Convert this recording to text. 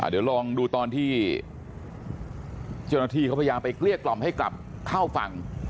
เดี๋ยวลองดูตอนที่เจ้าหน้าที่เขาพยายามไปเกลี้ยกล่อมให้กลับเข้าฝั่ง